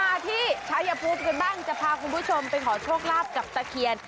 มาที่ชายภูมิกันบ้างจะพาคุณผู้ชมไปขอโชคลาภกับตะเคียน